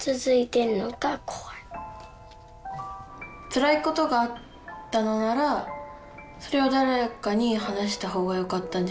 つらいことがあったのならそれを誰かに話した方がよかったんじゃないかなって思います。